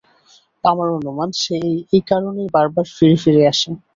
আমার অনুমান, সে এই কারণেই বারবার ফিরে ফিরে আসে।